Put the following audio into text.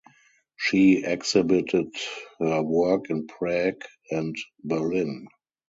She exhibited her work in Prague and Berlin.